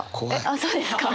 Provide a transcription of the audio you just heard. あっそうですか？